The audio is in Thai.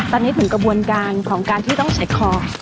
ตอนนี้ถึงกระบวนการของการที่ต้องใช้คอ